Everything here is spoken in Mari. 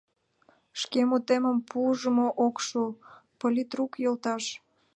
— Шке мутемым пужымо ок шу, политрук йолташ.